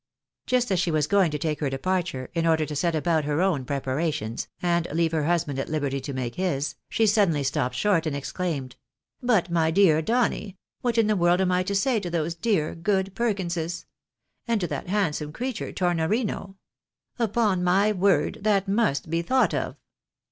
Just as she was going to take her departure, in order to set about her own preparations, and leave her husband at liberty to make his, she suddenly stopped short and exclaimed —" But, my dear Donny, what in the world am I to say to those dear, good Perkinses ? and to that handsome creature, Tornornio ? Upon my word, that must be thought of."